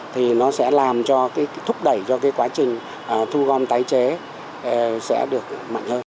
thì nó sẽ làm cho cái thúc đẩy cho cái quá trình thu gom tái chế sẽ được mạnh hơn